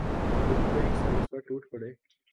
چکھتے ہی سب اس پر ٹوٹ پڑے